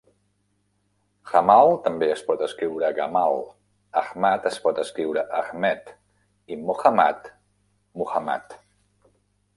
"Jamal" també es pot escriure "Gamal", "Ahmad" es pot escriure "Ahmed" i "Mohammad", "Muhammad".